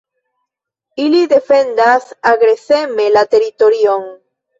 Ili defendas agreseme la teritorion.